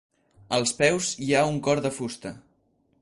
Als peus hi ha un cor de fusta.